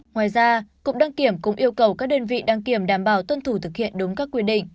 ngoài ra cục đăng kiểm cũng yêu cầu các đơn vị đăng kiểm đảm bảo tuân thủ thực hiện đúng các quy định